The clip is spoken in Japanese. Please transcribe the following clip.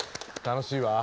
楽しいわ！